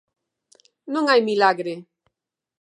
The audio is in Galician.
Non hai milagre.